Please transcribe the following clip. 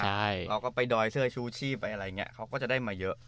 เราก็ไปดอยเสื้อชู้ชีพเขาก็จะได้มาเยอะ